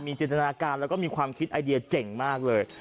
จินตนาการแล้วก็มีความคิดไอเดียเจ๋งมากเลย